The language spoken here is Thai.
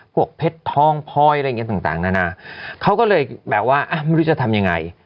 พวกเพชรทองพลอยอะไรอย่างเงี้ต่างนานาเขาก็เลยแบบว่าไม่รู้จะทำยังไง